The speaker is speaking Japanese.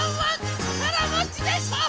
ちからもちでしょ！